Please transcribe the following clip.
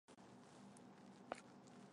台湾独活为伞形科当归属祁白芷的变种。